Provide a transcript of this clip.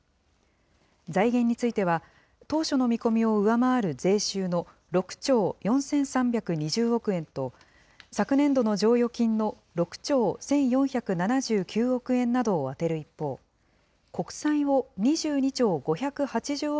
財源については、当初の見込みを上回る税収の６兆４３２０億円と、昨年度の剰余金の６兆１４７９億円などを充てる一方、国債を２２兆５８０億